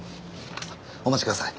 お待ちください。